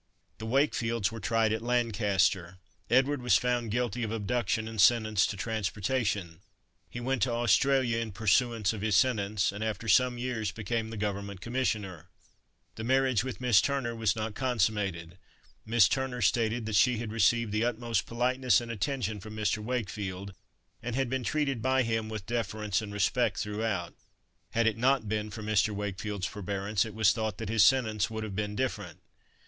The Wakefields were tried at Lancaster. Edward was found guilty of abduction and sentenced to transportation. He went to Australia in pursuance of his sentence, and after some years became the Government commissioner. The marriage with Miss Turner was not consummated. Miss Turner stated that she had received the utmost politeness and attention from Mr. Wakefield, and had been treated by him with deference and respect throughout. Had it not been for Mr. Wakefield's forbearance, it was thought that his sentence would have been different.